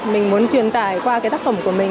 mình muốn truyền tải qua tác phẩm của mình